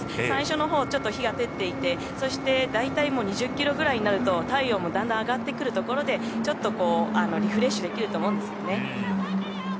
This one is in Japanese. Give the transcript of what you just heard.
最初のほうちょっと日が照っていてそして大体もう２０キロぐらいになると体温もだんだん上がってくるところでちょっとリフレッシュできると思うんですよね。